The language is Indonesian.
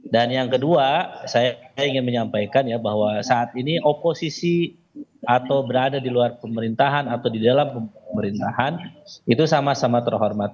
dan yang kedua saya ingin menyampaikan ya bahwa saat ini oposisi atau berada di luar pemerintahan atau di dalam pemerintahan itu sama sama terhormat